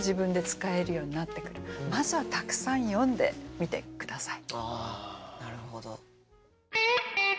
まずはたくさん読んでみて下さい。